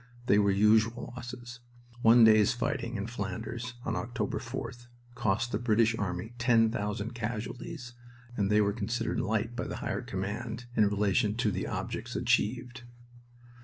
They were usual losses. One day's fighting in Flanders (on October 4th) cost the British army ten thousand casualties, and they were considered "light" by the Higher Command in relation to the objects achieved.